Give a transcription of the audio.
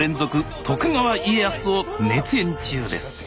徳川家康を熱演中です！